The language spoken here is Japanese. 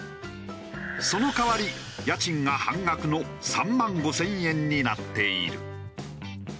その代わり家賃が半額の３万５０００円になっている。